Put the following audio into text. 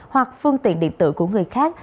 hoặc phương tiện điện tử của người khác